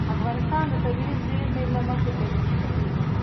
افغانستان د طبیعي زیرمې له مخې پېژندل کېږي.